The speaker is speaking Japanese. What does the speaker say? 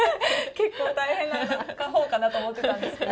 結構大変なほうかなと思ってたんですけど。